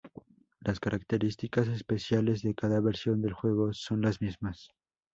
Las características especiales de cada versión del juego son las mismas.